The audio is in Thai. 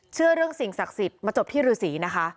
เชื่อเรื่องสิ่งศักดิ์สิทธิ์มาจบที่ฤษีนะคะ